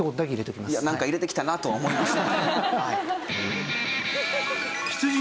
いやなんか入れてきたなとは思いました。